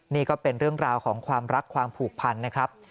นี่ก็เป็นเรื่องราวของความรักความผูกพันนะครับ